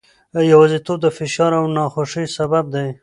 یوازیتوب د فشار او ناخوښۍ سبب دی.